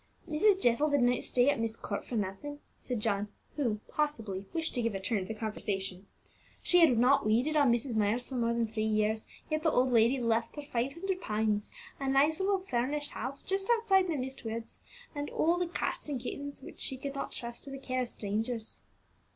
"Mrs. Jessel did not stay at Myst Court for nothing," said John, who, possibly, wished to give a turn to the conversation; "she had not waited on Mrs. Myers for more than three years, yet the old lady left her five hundred pounds, a nice little furnished house just outside the Myst woods, and all the cats and kittens, which she could not trust to the care of strangers."